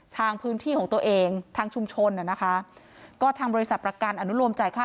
ทางพื้นที่ของตัวเองทางชุมชนน่ะนะคะก็ทางบริษัทประกันอนุโลมจ่ายค่า